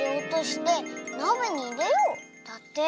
だって。